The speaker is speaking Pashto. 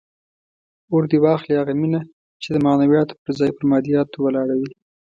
اور دې واخلي هغه مینه چې د معنویاتو پر ځای پر مادیاتو ولاړه وي.